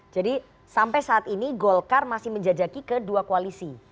jadi sampai saat ini golkar masih menjajaki kedua koalisi